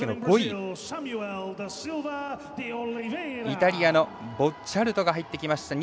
イタリアのボッチャルドが入ってきました。